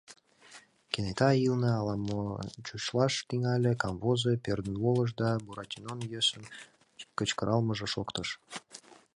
Кенета ӱлнӧ ала мо-чушлаш тӱҥале, камвозо, пӧрдын волыш да Буратинон йӧсын кычкыралмыже шоктыш: